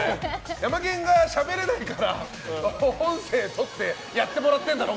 ヤマケンがしゃべれないから音声とってやってもらってんだろ！